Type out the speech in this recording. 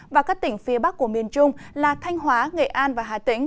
và các tỉnh phía bắc của miền trung là thanh hóa nghệ an và hà tĩnh